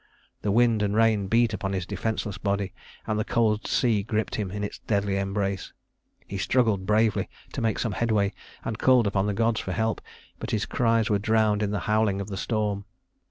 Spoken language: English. The wind and rain beat upon his defenseless body, and the cold sea gripped him in its deadly embrace. He struggled bravely to make some headway, and called upon the gods for help; but his cries were drowned in the howling of the storm.